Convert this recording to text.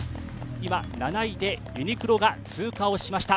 今、７位でユニクロが通過しました。